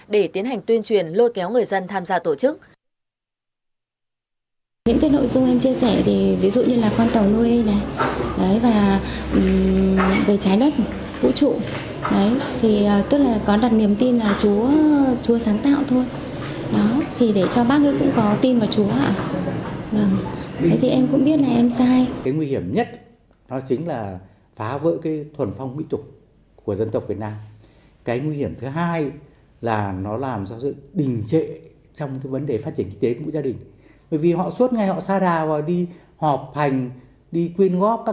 để tiến hành tuyên truyền lôi kéo người dân tham gia tổ chức